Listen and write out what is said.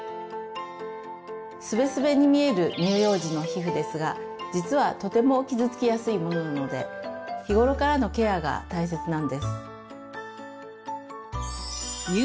スベスベに見える乳幼児の皮膚ですが実はとても傷つきやすいものなので日頃からのケアが大切なんです。